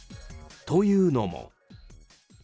というのも。